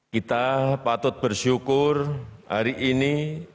kita patut bersyukur hari ini